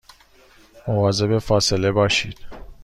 مواظب فاصله باشید